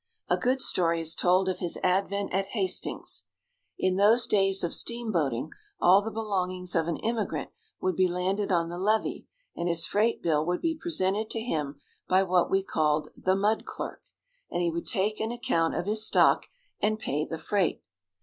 A good story is told of his advent at Hastings. In those days of steamboating, all the belongings of an immigrant would be landed on the levee and his freight bill would be presented to him by what we called the mud clerk, and he would take an account of his stock and pay the freight.